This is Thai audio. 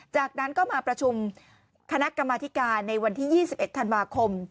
จากนั้นก็มาประชุมคณะกรรมธิการในวันที่๒๑ธันวาคม